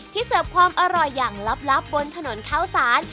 เสิร์ฟความอร่อยอย่างลับบนถนนข้าวสาร